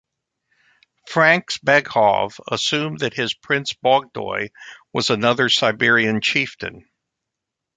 Frantsbekov assumed that this Prince Bogdoy was another Siberian chieftain.